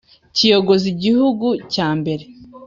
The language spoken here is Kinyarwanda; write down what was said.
kiyogoza igihugu cya mbere